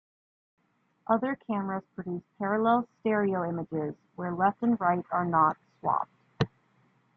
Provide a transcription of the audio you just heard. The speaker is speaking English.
Other cameras produce parallel stereoimages, where left and right are not swapped.